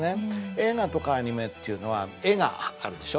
映画とかアニメっていうのは絵があるでしょ。